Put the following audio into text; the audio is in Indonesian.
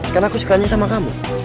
karena aku sukanya sama kamu